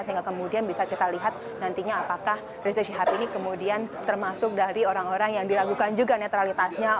sehingga kemudian bisa kita lihat nantinya apakah rizik syihab ini kemudian termasuk dari orang orang yang diragukan juga netralitasnya